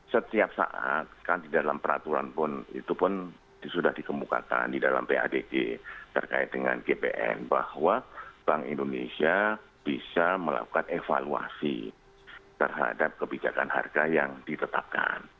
setiap saat kan di dalam peraturan pun itu pun sudah dikemukakan di dalam padg terkait dengan gpn bahwa bank indonesia bisa melakukan evaluasi terhadap kebijakan harga yang ditetapkan